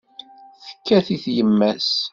Tekkat-it yemma-s.